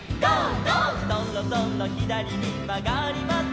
「そろそろひだりにまがります」